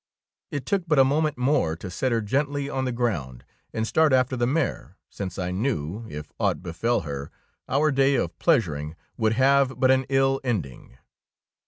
It took but a moment more to set her gently on the ground and start after the mare, since I knew, if aught befell her, our day of pleasuring would have but an ill ending.